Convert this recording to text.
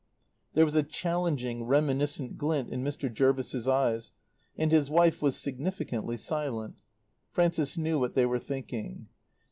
There was a challenging, reminiscent glint in Mr. Jervis's eyes, and his wife was significantly silent. Frances knew what they were thinking.